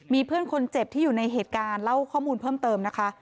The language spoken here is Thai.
มีเพื่อนคนเจ็บที่อยู่ในเหตุการณ์เล่าข้อมูลเพิ่มเติมนะคะ